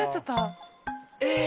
え。